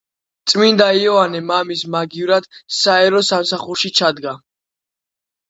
წმინდა იოანე მამის მაგივრად საერო სამსახურში ჩადგა.